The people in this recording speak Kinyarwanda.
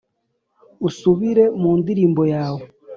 usubire mu ndirimbo yawe,